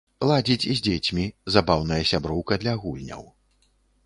Ладзіць з дзецьмі, забаўная сяброўка для гульняў.